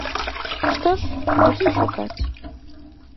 Што ж, будзем шукаць.